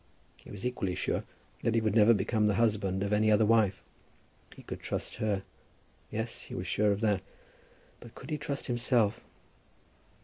He was equally sure that he would never become the husband of any other wife. He could trust her. Yes; he was sure of that. But could he trust himself?